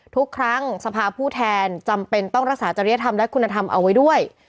ทุกครั้งสภาพผู้แทนจำเป็นต้องรักษาจริยธรรมและคุณธรรมเอาไว้ด้วย